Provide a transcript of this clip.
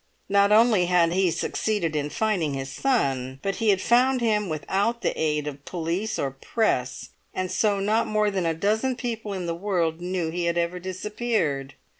Not only had he succeeded in finding his son, but he had found him without the aid of police or press, and so not more than a dozen people in the world knew that he had ever disappeared.